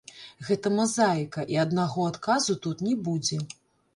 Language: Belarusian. Гэта мазаіка, і аднаго адказу тут не будзе.